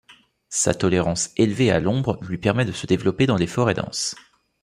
Sa tolérance élevée à l'ombre lui permet de se développer dans les forêts denses.